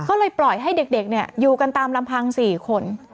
ก็เลยปล่อยให้เด็กอยู่กันตามลำพัง๔คน